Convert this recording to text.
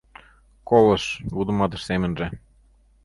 «Колыш, — вудыматыш семынже.